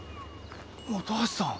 本橋さん。